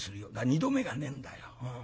２度目がねえんだよ。